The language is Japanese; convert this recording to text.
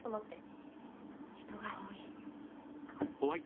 人が多い。